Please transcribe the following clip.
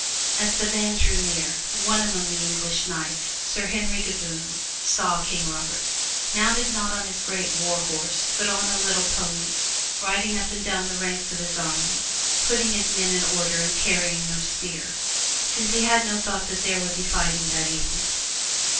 As the van drew near, one among the English knights. Sir Henry de Bohun, saw King Robert, mounted not on his great war horse but on a little pony, riding up and down the ranks of his army, putting his men in order and carrying no spear, since he had no 287 MY BOOK HOUSE thought that there would be fighting that evening.